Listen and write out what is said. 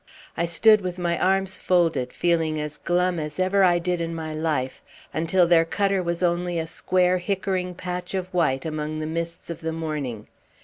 I stood with my arms folded, feeling as glum as ever I did in my life, until their cutter was only a square hickering patch of white among the mists of the morning.